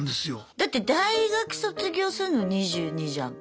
だって大学卒業すんの２２じゃんか。